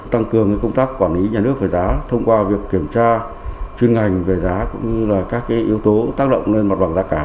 tăng cường công tác quản lý nhà nước về giá thông qua việc kiểm tra chuyên ngành về giá cũng như là các yếu tố tác động lên mặt bằng giá cả